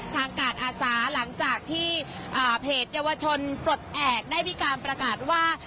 กาดอาสาหลังจากที่เพจเยาวชนปลดแอบได้มีการประกาศว่า